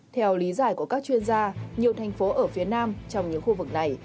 theo lý giải của các chuyên gia nhiều thành phố ở phía nam trong những khu vực này